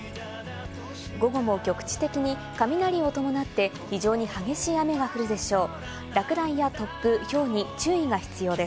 午後も局地的に雷を伴って非常に激しい雨が降るでしょう。